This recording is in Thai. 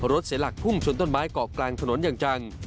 เสียหลักพุ่งชนต้นไม้เกาะกลางถนนอย่างจัง